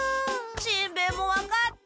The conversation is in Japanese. しんべヱも分かって！